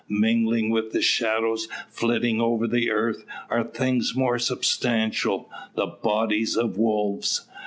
Mingling with the shadows flitting over the earth, are things more substantial the bodies of wolves.